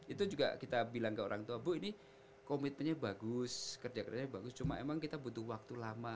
itu juga kita bilang ke orang tua bu ini komitmennya bagus kerja kerjanya bagus cuma emang kita butuh waktu lama